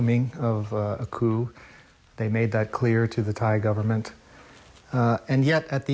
มุ่งพิสูจน์ที่เป็นเรื่องเป็นยังสุดอากุธ